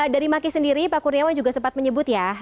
dari maki sendiri pak kurniawan juga sempat menyebut ya